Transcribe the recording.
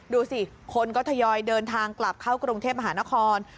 ดูสิคนก็ทยอยเดินทางกลับเข้ากรุงเทพมหานคร